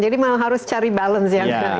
jadi harus cari balance yang terbaik